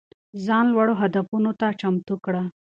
ځان لوړو هدفونو ته چمتو کړه.